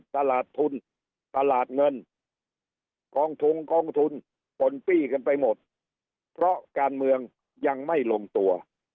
ตลาดทุนตลาดเงินกองทุนกองทุนปนปี้กันไปหมดเพราะการเมืองยังไม่ลงตัว